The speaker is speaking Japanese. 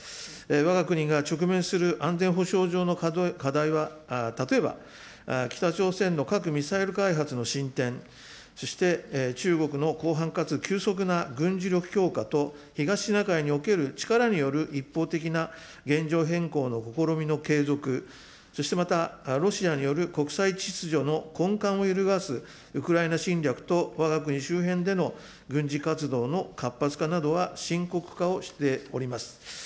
わが国が直面する安全保障上の課題は、例えば、北朝鮮の核・ミサイル開発の進展、そして中国の広範かつ急速な軍事力強化と、東シナ海における力による一方的な現状変更の試みの継続、そしてまたロシアによる国際秩序の根幹を揺るがすウクライナ侵略とわが国周辺での軍事活動の活発化などが深刻化をしております。